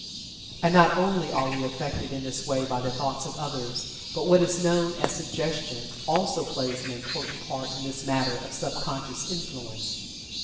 And not only are we affected in this way by the thoughts of others, but what is known as "Suggestion" also plays an important part in this matter of sub conscious influence.